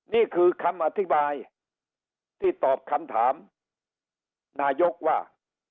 นี่คือคำอธิบายที่ตอบคำถามนายกว่า